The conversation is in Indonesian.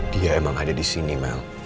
dia emang ada disini mel